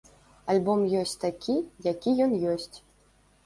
Альбом ёсць такі, які ён ёсць.